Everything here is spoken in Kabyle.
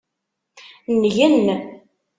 Ngen.